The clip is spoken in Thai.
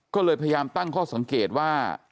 ก็เลยพยายามตั้งข้อสังเกตว่า